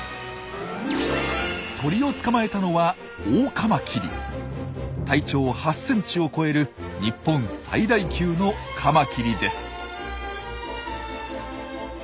鳥を捕まえたのは体長８センチを超える日本最大級のカマキリです。